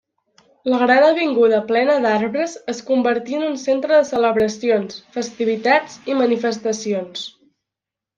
La gran avinguda plena d'arbres es convertí en un centre de celebracions, festivitats i manifestacions.